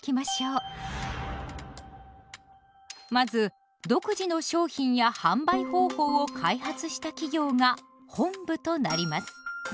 まず独自の商品や販売方法を開発した企業が本部となります。